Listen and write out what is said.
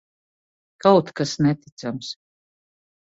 Kaut kas neticams.